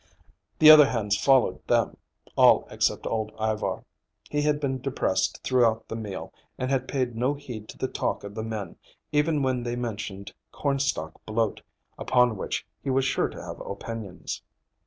The other hands followed them, all except old Ivar. He had been depressed throughout the meal and had paid no heed to the talk of the men, even when they mentioned cornstalk bloat, upon which he was sure to have opinions.